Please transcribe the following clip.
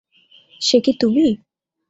সে কি তুমি?